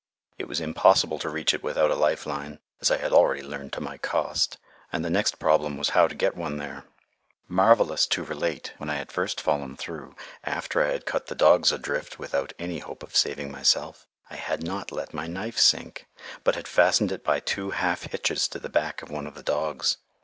It was impossible to reach it without a life line, as I had already learned to my cost, and the next problem was how to get one there. Marvellous to relate, when I had first fallen through, after I had cut the dogs adrift without any hope left of saving myself, I had not let my knife sink, but had fastened it by two half hitches to the back of one of the dogs.